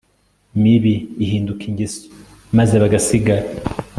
mibi ihinduka ingeso maze bagasigara